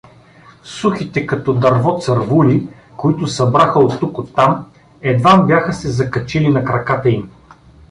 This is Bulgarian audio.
Сухите като дърво цървули, които събраха оттук-оттам, едвам бяха се закачили на краката им.